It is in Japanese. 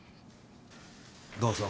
どうぞ。